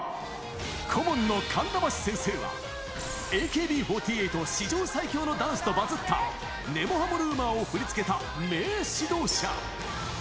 顧問の神田橋先生は、ＡＫＢ４８史上最強のダンスとバズった、根も葉もＲｕｍｏｒを振り付けた名指導者。